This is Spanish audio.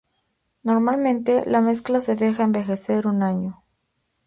Normalmente, la mezcla se deja envejecer un año.